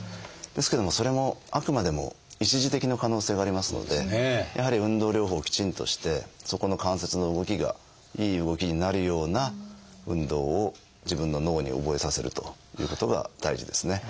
ですけどもそれもあくまでも一時的な可能性がありますのでやはり運動療法をきちんとしてそこの関節の動きがいい動きになるような運動を自分の脳に覚えさせるということが大事ですね。